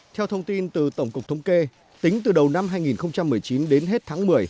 theo thông tin từ tổng cục thống kê tính từ đầu năm hai nghìn một mươi chín đến hết tháng một mươi